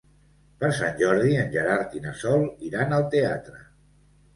Per Sant Jordi en Gerard i na Sol iran al teatre.